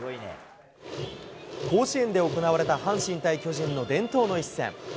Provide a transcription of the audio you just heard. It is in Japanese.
甲子園で行われた阪神対巨人の伝統の一戦。